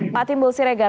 pak timbul siregar